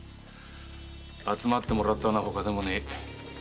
集まってもらったのはほかでもねえ。